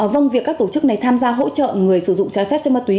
vâng việc các tổ chức này tham gia hỗ trợ người sử dụng trái phép chất ma túy